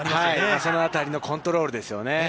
その辺りのコントロールですよね。